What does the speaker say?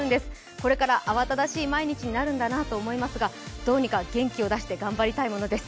これから慌ただしい毎日になるんだなと思いますがどうにか元気を出して頑張りたいものです。